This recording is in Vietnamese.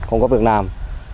không có việc làm